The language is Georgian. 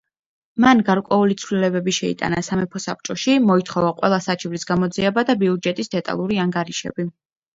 მან გარკვეული ცვლილებები შეიტანა სამეფო საბჭოში, მოითხოვა ყველა საჩივრის გამოძიება და ბიუჯეტის დეტალური ანგარიშები.